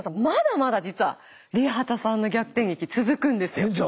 まだまだ実はＲＩＥＨＡＴＡさんの逆転劇続くんですよ。